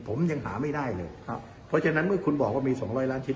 ผมยังหาไม่ได้เลยครับเพราะฉะนั้นเมื่อคุณบอกว่ามีสองร้อยล้านชิ้น